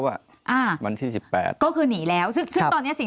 วันที่๑๘ก็คือหนีแล้วซึ่งตอนนี้สิ่ง